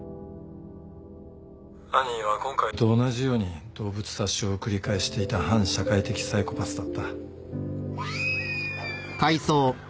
犯人は今回と同じように動物殺傷を繰り返していた反社会的サイコパスだった。